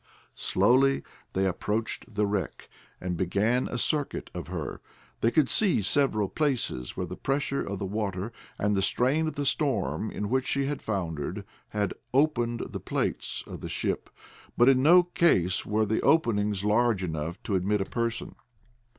Slowly they approached the wreck, and began a circuit of her. They could see several places where the pressure of the water, and the strain of the storm in which she had foundered, had opened the plates of the ship, but in no case were the openings large enough to admit a person.